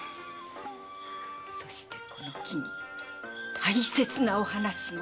そしてこの機に大切なお話も。